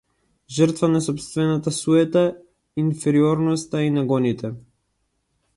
Жртва на сопствената суета, инфериорноста и нагоните.